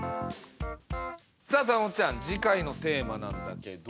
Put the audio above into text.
さあ豊本ちゃん次回のテーマなんだけど。